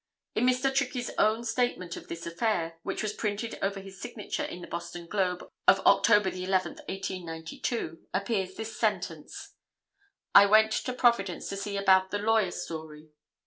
In Mr. Trickey's own statement of this affair, which was printed over his signature in the Boston Globe of October 11th, 1892, appears this sentence, "I went to Providence to see about the lawyer story."